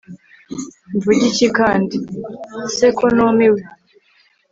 mvuge iki kandi?se ko numiwe